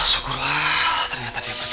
sukurlah ternyata dia pergi